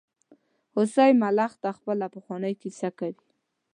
هوسۍ ملخ ته خپله پخوانۍ کیسه کوي.